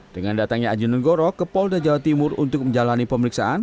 dengan datangnya aji nenggoro ke polda jawa timur untuk menjalani pemeriksaan